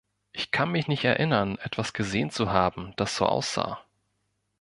Ich kann mich nicht erinnern, etwas gesehen zu haben, das so aussah.